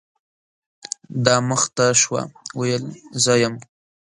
دا مخ ته شوه ، ویل زه یم .